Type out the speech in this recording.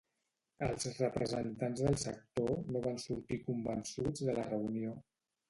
Els representants del sector no van sortir convençuts de la reunió.